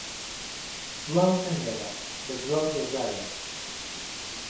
جواو مهنێره، له جواو بێزارم